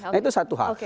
nah itu satu hal